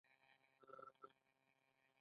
موږ باید سرلوړي اوسو.